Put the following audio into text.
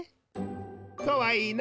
かわいいな。